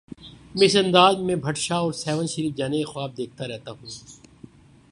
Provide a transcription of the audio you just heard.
میں اس انداز میں بھٹ شاہ اور سہون شریف جانے کے خواب دیکھتا رہتا ہوں۔